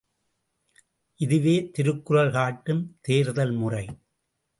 இதுவே திருக்குறள் காட்டும் தேர்தல் முறை.